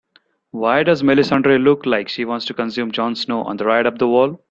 Why does Melissandre look like she wants to consume Jon Snow on the ride up the wall?